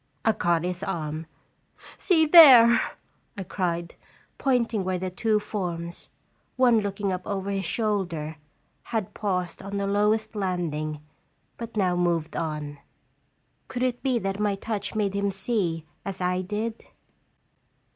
I caught his arm. "See there!" I cried, pointing where the two forms one looking up over his shoulder had paused on the lowest landing, but now moved on. Could it be that my touch made him see as I did